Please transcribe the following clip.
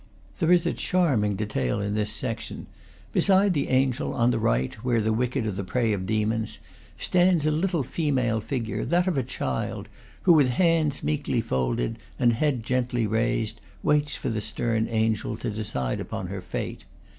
There is a charming detail in this section. Beside the angel, on, the right, where the wicked are the prey of demons, stands a little female figure, that of a child, who, with hands meekly folded and head gently raised, waits for the stern angel to decide upon her fate.